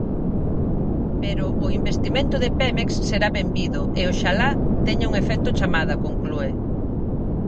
Pero "o investimento de Pemex será benvido" e "oxalá teña un efecto chamada", conclúe.